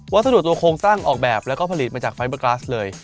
สะดวกตัวโครงสร้างออกแบบแล้วก็ผลิตมาจากไฟเบอร์กราสเลย